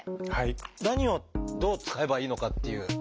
何をどう使えばいいのかっていう。